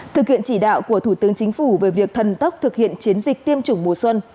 thực hiện chỉ đạo của thủ tướng chính phủ về việc thần tốc thực hiện chiến dịch tiêm chủng mùa xuân